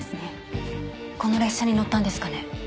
この列車に乗ったんですかね？